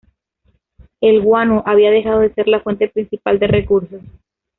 El guano había dejado de ser la fuente principal de recursos.